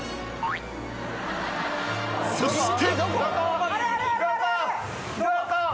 ［そして］